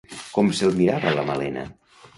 Com se'l mirava la Malena?